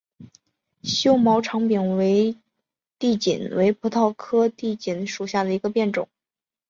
锈毛长柄地锦为葡萄科地锦属下的一个变种。